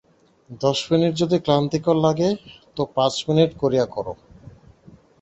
দশ মিনিট যদি ক্লান্তিকর লাগে তো পাঁচ মিনিট করিয়া কর।